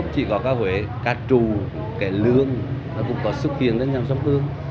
chỉ có ca huế ca trù kẻ lương nó cũng có xuất hiện ở trong sông hương